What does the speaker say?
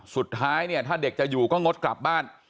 สุดท้ายเนี่ยถ้าเด็กจะอยู่ก็งดกลับบ้าน